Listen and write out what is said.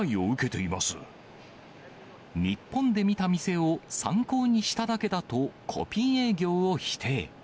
日本で見た店を参考にしただけだと、コピー営業を否定。